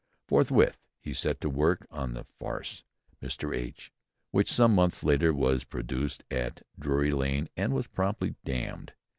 Forthwith he set to work on the farce "Mr. H.," which some months later was produced at Drury Lane and was promptly damned.